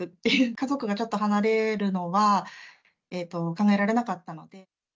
家族がちょっと離れるのは考えられなかったので。